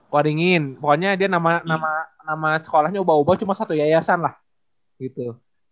waringin pokoknya dia nama sekolahnya ubah ubah cuma satu yayasan lah gitu